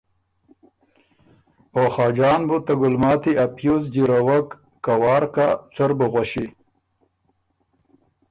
او خاجان بُو ته ګلماتی ا پیوز جیرَوک که وار کۀ څۀ ر بُو غؤݭی؟